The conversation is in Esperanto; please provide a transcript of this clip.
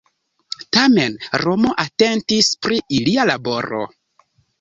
Tamen Romo atentis pri ilia laboro.